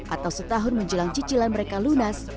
atau setahun menjelang cicilan mereka lunas